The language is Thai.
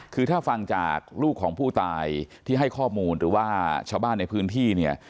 คือถ้าฟังจากลูกของผู้ตายที่ให้ข้อมูลหรือว่าชาวบ้านในพื้นที่เนี่ย